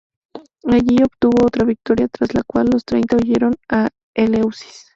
Allí, obtuvo otra victoria, tras la cual los Treinta huyeron a Eleusis.